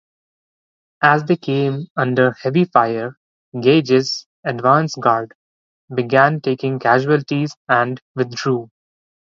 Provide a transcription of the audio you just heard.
As they came under heavy fire, Gage's advance guard began taking casualties and withdrew.